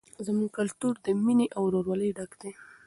زموږ کلتور له مینې او ورورولۍ ډک دی.